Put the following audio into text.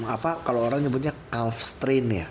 apa kalau orang nyebutnya alf strain ya